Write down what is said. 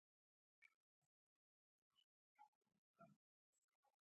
ورو ورو يې ستوماني کښله او طلايې زلفې يې راخورولې.